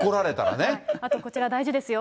あとこちら、大事ですよ。